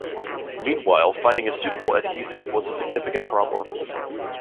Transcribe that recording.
Meanwhile, finding a suitable adhesive was a significant problem.